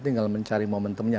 tinggal mencari momentum nya